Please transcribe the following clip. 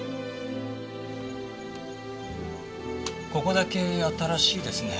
ここだけ新しいですね。